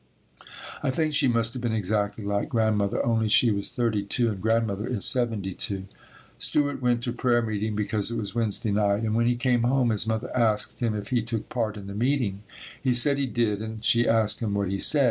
I think she must have been exactly like Grandmother only she was 32 and Grandmother is 72. Stewart went to prayer meeting because it was Wednesday night, and when he came home his mother asked him if he took part in the meeting. He said he did and she asked him what he said.